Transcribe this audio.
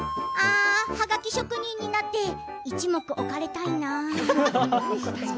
はがき職人になって一目置かれたいな。